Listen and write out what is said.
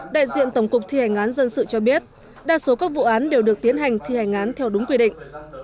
đại diện tổng cục thi hành án dân sự cho biết đa số các vụ án đều được tiến hành thi hành án theo đúng quy định